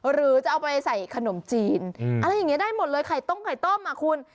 หรือจะเอาไปใส่ขนมจีนอะไรอย่างนี้ได้หมดเลยไข่ต้มไข่ต้มอ่ะคุณ